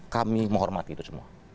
kami menghormati itu semua